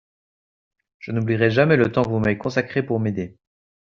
Je n'oublierai jamais le temps que vous m'avez consacré pour m'aider.